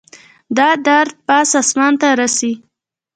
دا درد پاس اسمان ته رسي